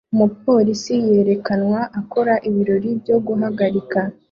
Umupolisi yerekanwa akora ibirori byo guhagarika